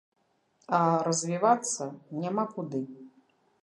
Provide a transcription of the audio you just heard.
А развівацца няма куды.